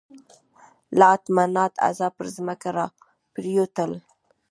لات، منات، عزا پر ځمکه را پرېوتل.